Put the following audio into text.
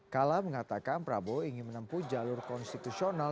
kala mengatakan prabowo ingin menempuh jalur konstitusional